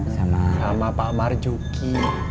sama pak marjuki